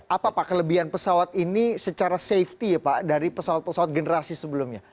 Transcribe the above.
apa pak kelebihan pesawat ini secara safety ya pak dari pesawat pesawat generasi sebelumnya